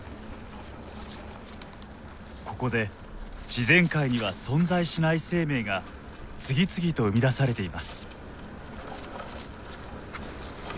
ここで自然界には存在しない生命が次々と生み出されています。